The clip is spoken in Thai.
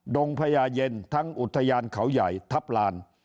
งพญาเย็นทั้งอุทยานเขาใหญ่ทัพลาน